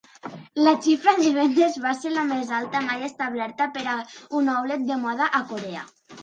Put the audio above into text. La xifra de vendes va ser la més alta mai establerta per a un outlet de moda a Corea.